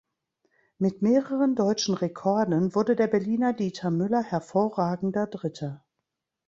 Mit mehreren deutschen Rekorden wurde der Berliner Dieter Müller hervorragender Dritter.